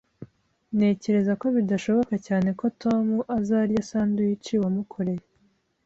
Ntekereza ko bidashoboka cyane ko Tom azarya sandwich wamukoreye